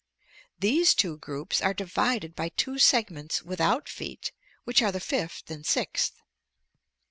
These two groups are divided by two segments without feet, which are the fifth and sixth.